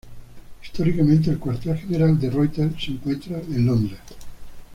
Históricamente, el cuartel general de Reuters se encuentra en Londres.